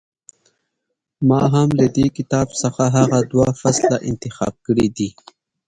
ما هم له دې کتاب څخه هغه دوه فصله انتخاب کړي دي.